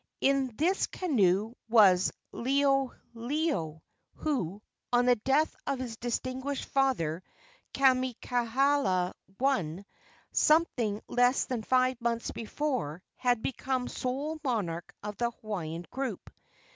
In this canoe was Liholiho, who, on the death of his distinguished father, Kamehameha I., something less than five months before, had become sole monarch of the Hawaiian group.